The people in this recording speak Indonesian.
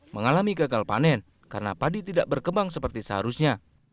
mengalami gagal panen karena padi tidak berkembang seperti seharusnya